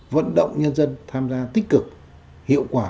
vận động nhân dân tham gia tích cực hiệu quả